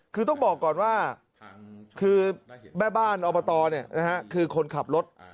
คือต้องบอกก่อนว่าคือแม่บ้านอบตคือคนขับรถ